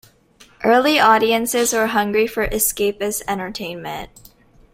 Early audiences were hungry for escapist entertainment.